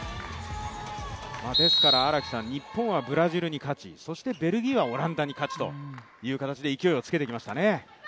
日本はブラジルに勝ち、そしてベルギーはオランダに勝ちという形で勢いをつけてきましたね。